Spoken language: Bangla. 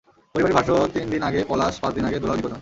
পরিবারের ভাষ্য, তিন দিন আগে পলাশ, পাঁচ দিন আগে দুলাল নিখোঁজ হন।